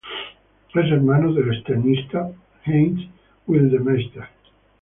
Es hermano del extenista Heinz Gildemeister.